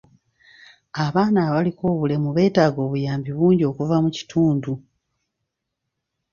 Abaana abaliko obulemu beetaaga obuyambi bungi okuva mu kitundu.